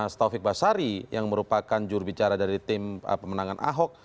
taufik basari yang merupakan jurubicara dari tim pemenangan ahok